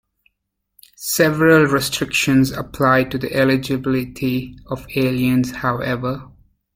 Several restrictions apply to the eligibility of aliens however.